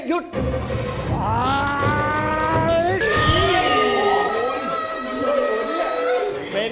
บอกได้เลยว่าทีมไม่ถึง